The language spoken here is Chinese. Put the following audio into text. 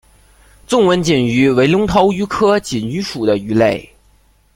纵纹锦鱼为隆头鱼科锦鱼属的鱼类。